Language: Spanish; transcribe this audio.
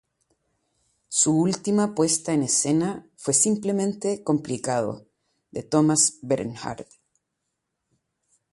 Su última puesta en escena fue "Simplemente complicado" de Thomas Bernhard.